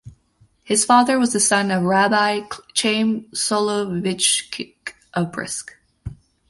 His father was the son of Rabbi Chaim Soloveitchik of Brisk.